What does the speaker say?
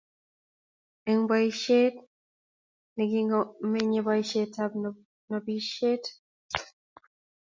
eng boishet negisomaneeboishetab nobishet